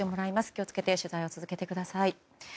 気を付けて取材を続けてください。